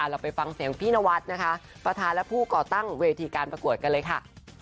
เราไปฟังเสียงพี่นวัดนะคะประธานและผู้ก่อตั้งเวทีการประกวดกันเลยค่ะ